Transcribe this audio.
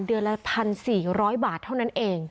เดือนละ๑๔๐๐บาทเท่านั้นเอง